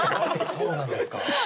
そうなんですか。